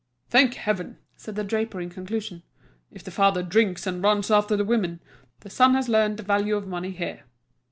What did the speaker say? "Thank heaven!" said the draper in conclusion, "if the father drinks and runs after the women, the son has learnt the value of money here."